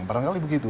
paling kali begitu